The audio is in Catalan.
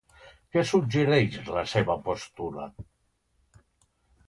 Què suggereix la seva postura?